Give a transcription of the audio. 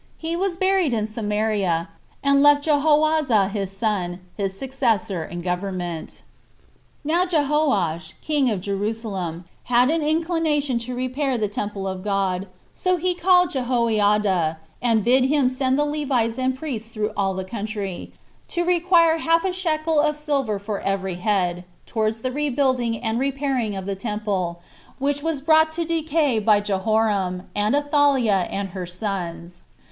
He was buried in Samaria, and left Jehoahaz his son his successor in the government. 2. Now Jehoash, king of Jerusalem, had an inclination to repair the temple of God; so he called Jehoiada, and bid him send the Levites and priests through all the country, to require half a shekel of silver for every head, towards the rebuilding and repairing of the temple, which was brought to decay by Jehoram, and Athaliah and her sons.